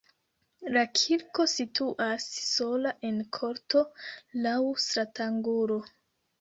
La kirko situas sola en korto laŭ stratangulo.